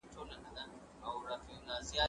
ﻻس چي مات سي غاړي ته لوېږي.